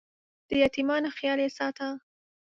د یتیمانو خیال یې ساته.